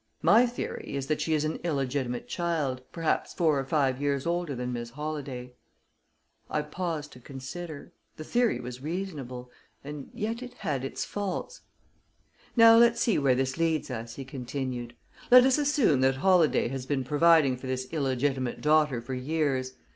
My theory is that she is an illegitimate child, perhaps four or five years older than Miss Holladay." I paused to consider. The theory was reasonable, and yet it had its faults. "Now, let's see where this leads us," he continued. "Let us assume that Holladay has been providing for this illegitimate daughter for years.